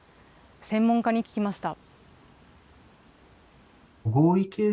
専門家に聞きました。